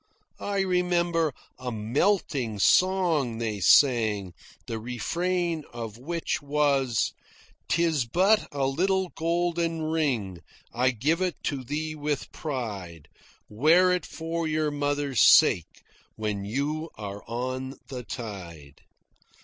I remember a melting song they sang, the refrain of which was: "'Tis but a little golden ring, I give it to thee with pride, Wear it for your mother's sake When you are on the tide."